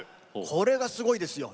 これがすごいですよ。